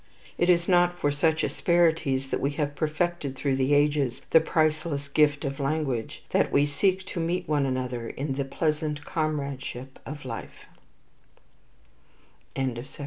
It is not for such asperities that we have perfected through the ages the priceless gift of language, that we seek to meet one another in the pleasant comradeship of life.